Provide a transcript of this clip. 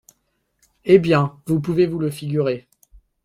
Eh bien, vous pouvez vous le figurer.